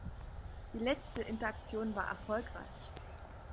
Die letzte Interaktion war erfolgreich.